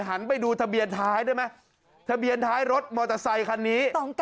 หันไปดูทะเบียนท้ายได้ไหมทะเบียนท้ายรถมอเตอร์ไซคันนี้